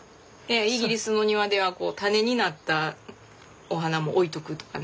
イギリスの庭では種になったお花も置いとくとかね。